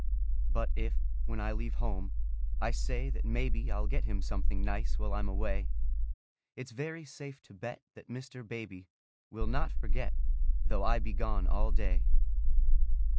But if, when I leave home, I say that maybe I'll get him something nice while I'm away, It's very safe to bet that Mr. Baby Will not forget, though I be gone all day.